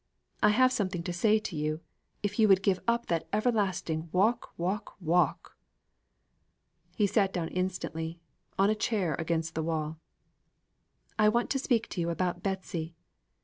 I have something to say to you, if you would give up that everlasting walk, walk, walk." He sat down instantly, on a chair against the wall. "I want to speak to you about Betsy.